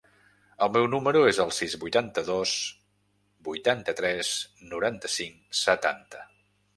El meu número es el sis, vuitanta-dos, vuitanta-tres, noranta-cinc, setanta.